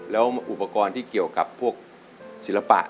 แล้วอุปกรณ์ที่เกี่ยวกับพวกศิลปะ